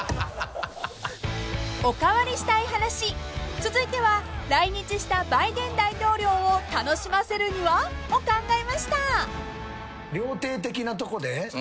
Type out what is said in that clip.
［おかわりしたい話続いては「来日したバイデン大統領を楽しませるには」を考えました］